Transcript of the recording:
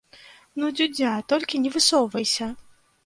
Ну дзюдзя, толькі не высоўвайся!